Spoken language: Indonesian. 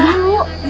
iya masih ada